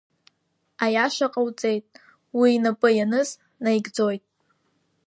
Аиаша ҟауҵеит, уи инапы ианыз наигӡоит!